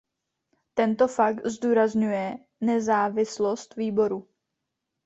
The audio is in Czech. Tento fakt zdůrazňuje nezávislost výboru.